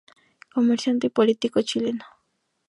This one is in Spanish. Comerciante y político chileno.